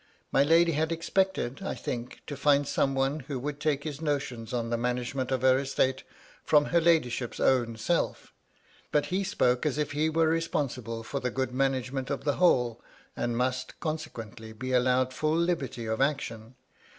My lady had expected, I think, to find some one who would take his notions on the management of her estate from her ^ladyship's own self; but he spoke as if he were responsible for the good management of 310 MY LADY LUDLOW. the whole, and must, consequently, be allowed fiill liberty of action.